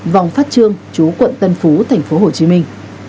vòng phát trương chú quận tân phú thành phố hồ chí minh